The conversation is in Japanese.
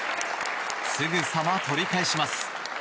すぐさま取り返します。